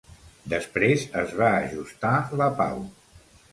Després es va ajustar la pau.